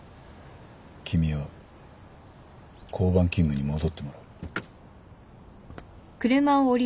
君は交番勤務に戻ってもらう。